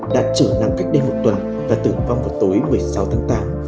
đã trở nặng cách đây một tuần và tử vong vào tối một mươi sáu tháng tám